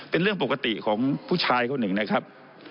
เป็นเรื่องปกติของผู้ชายคนหนึ่งนะครับ